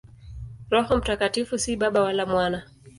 Roho Mtakatifu si Baba wala Mwana.